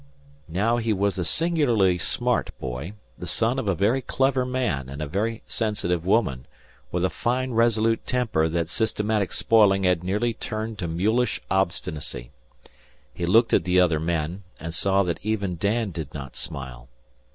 Now he was a singularly smart boy, the son of a very clever man and a very sensitive woman, with a fine resolute temper that systematic spoiling had nearly turned to mulish obstinacy. He looked at the other men, and saw that even Dan did not smile.